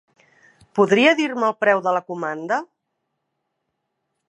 Podria dir-me el preu de la comanda?